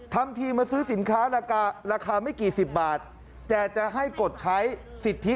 ทำทีมาซื้อสินค้าราคาราคาไม่กี่สิบบาทแต่จะให้กดใช้สิทธิ